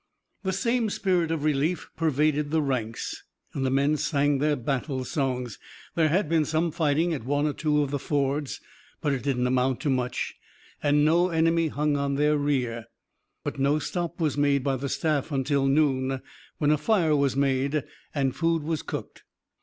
The same spirit of relief pervaded the ranks, and the men sang their battle songs. There had been some fighting at one or two of the fords, but it did not amount to much, and no enemy hung on their rear. But no stop was made by the staff until noon, when a fire was made and food was cooked.